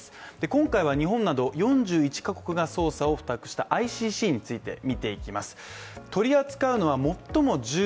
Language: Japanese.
今回は日本など４１カ国が捜査を付託したＩＣＣについて見ていきます。